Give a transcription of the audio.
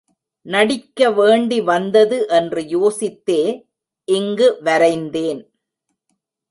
நடிக்க வேண்டி வந்தது என்று யோசித்தே இங்கு வரைந்தேன்.